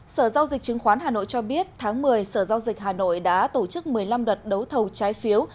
sở giao dịch chứng khoán hà nội cho biết tháng một mươi sở giao dịch hà nội đã tổ chức một mươi năm đợt đấu thầu trái phiếu